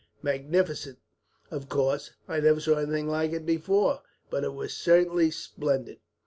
"Magnificent. Of course, I never saw anything like it before, but it was certainly splendid."